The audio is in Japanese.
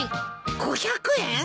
５００円！